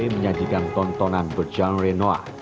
menyajikan tontonan berjenre noir